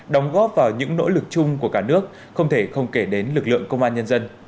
đóng góp vào những nỗ lực chung của cả nước không thể không kể đến lực lượng công an nhân dân